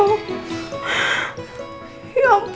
oh ya allah